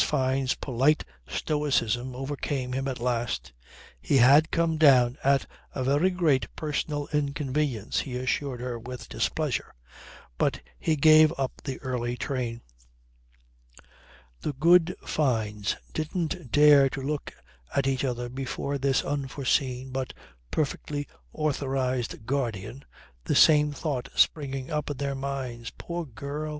Fyne's polite stoicism overcame him at last. He had come down at a very great personal inconvenience, he assured her with displeasure, but he gave up the early train. The good Fynes didn't dare to look at each other before this unforeseen but perfectly authorized guardian, the same thought springing up in their minds: Poor girl!